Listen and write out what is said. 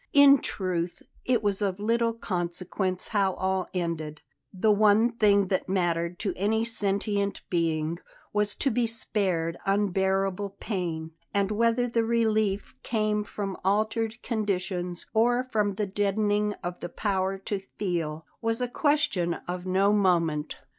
In truth, it was of little consequence how all ended; the one thing that mattered to any sentient being was to be spared unbearable pain, and whether the relief came from altered conditions or from the deadening of the power to feel, was a question of no moment.